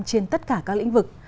trên tất cả các lĩnh vực